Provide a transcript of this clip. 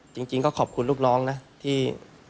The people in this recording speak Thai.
จริงก็ขอบคุณลูกน้องนะที่